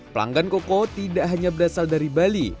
pelanggan koko tidak hanya berasal dari bali